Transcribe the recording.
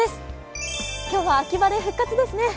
今日は秋晴れ復活ですね。